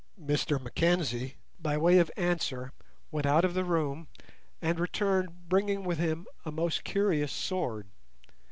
Mr Mackenzie, by way of answer, went out of the room and returned, bringing with him a most curious sword.